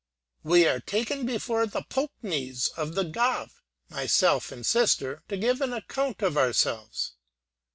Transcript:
We are taken before the Poknees of the gav, myself and sister, to give an account of ourselves.